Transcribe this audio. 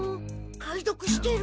解読してる。